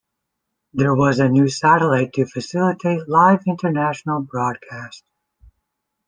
There was a new satellite to facilitate live international broadcast.